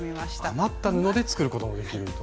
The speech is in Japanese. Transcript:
余った布で作ることもできると。